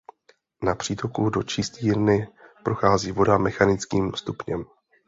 Na přítoku do čistírny prochází voda mechanickým stupněm.